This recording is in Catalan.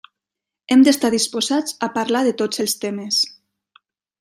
Hem d'estar disposats a parlar de tots els temes.